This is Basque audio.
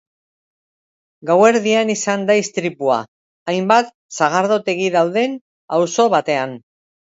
Gauerdian izan da istripua, hainbat sagardotegi dauden auzo batean.